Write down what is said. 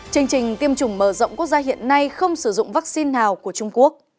chương trình tiêm chủng mở rộng quốc gia hiện nay không sử dụng vaccine nào của trung quốc